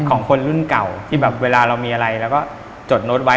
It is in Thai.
ของคนรุ่นเก่าที่แบบเวลาเรามีอะไรเราก็จดโน้ตไว้